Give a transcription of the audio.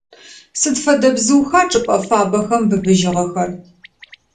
Сыд фэдэ бзыуха чӏыпӏэ фабэхэм быбыжьыгъэхэр?